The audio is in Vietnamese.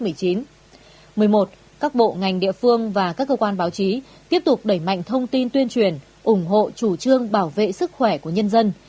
một mươi một các bộ ngành địa phương và các cơ quan báo chí tiếp tục đẩy mạnh thông tin tuyên truyền ủng hộ chủ trương bảo vệ sức khỏe của nhân dân